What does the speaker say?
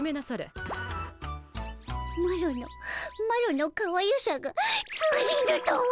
マロのマロのかわゆさが通じぬとは。